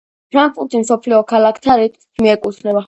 ფრანკფურტი მსოფლიო ქალაქთა რიცხვს მიეკუთვნება.